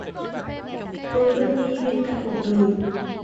Tôi vẫn đi bên cạnh cuộc đời